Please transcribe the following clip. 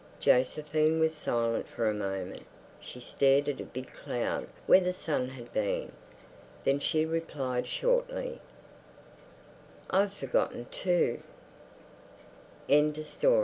Josephine was silent for a moment. She stared at a big cloud where the sun had been. Then she replied shortly, "I've forgotten too." Mr.